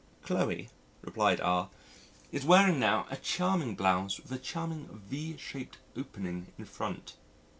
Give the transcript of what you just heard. "Chloe," replied R , "is wearing now a charming blouse with a charming V shaped opening in front.